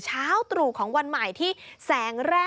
เช้าตรู่ของวันใหม่ที่แสงแรก